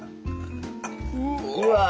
うわ。